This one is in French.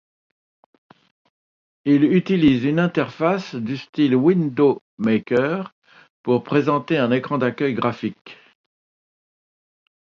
Il utilise une interface du style Window Maker pour présenter un écran d'accueil graphique.